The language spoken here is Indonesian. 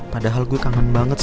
padahal gue kangen banget